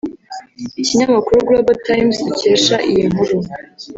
Ikinyamakuru Global times dukesha iyi nkuru